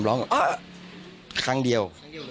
ร้องแบบอ๊ะครั้งเดียว